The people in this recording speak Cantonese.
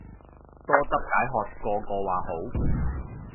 多汁解渴個個話好